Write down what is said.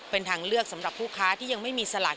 เป็นทางเลือกสำหรับผู้ค้าที่ยังไม่มีสลาก